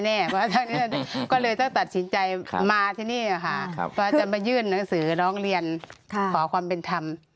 เพราะฉะนั้นก็เลยต้องตัดสินใจมาที่นี่ค่ะเพราะจะมายื่นหนังสือร้องเรียนขอความเป็นธรรม